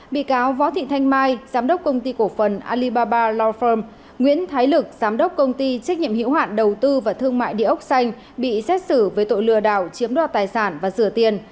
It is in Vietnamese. bị cáo võ thị thanh mai giám đốc công ty cổ phần alibaba law firm nguyễn thái lực giám đốc công ty trách nhiệm hiệu hoạn đầu tư và thương mại địa ốc xanh bị xét xử với tội lừa đảo chiếm đoạt tài sản và sửa tiền